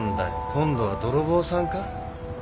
今度は泥棒さんか？